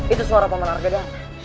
itu suara pemenarganya